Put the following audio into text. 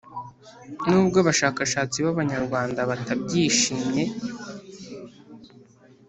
nubwo abashakashatsi b’abanyarwanda batabyishimye